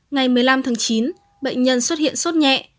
ngày một mươi năm tháng chín bệnh nhân xuất hiện sốt nhẹ